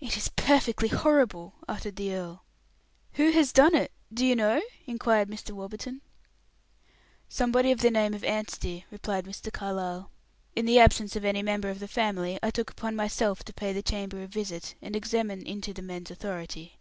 "It is perfectly horrible!" uttered the earl. "Who has done it do you know?" inquired Mr. Warburton. "Somebody of the name of Anstey," replied Mr. Carlyle. "In the absence of any member of the family, I took upon myself to pay the chamber a visit and examine into the men's authority.